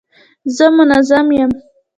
زه منظم یم.